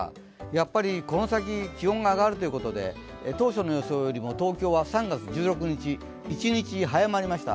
やっぱりこの先、気温が上がるということで、当初の予想よりも東京は３月１６日、一日早まりました。